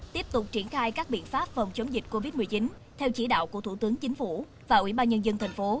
tiếp tục triển khai các biện pháp phòng chống dịch covid một mươi chín theo chỉ đạo của thủ tướng chính phủ và ủy ban nhân dân thành phố